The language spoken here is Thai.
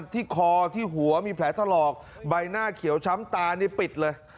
ที่คอที่หัวมีแผลถลอกใบหน้าเขียวช้ำตานี่ปิดเลย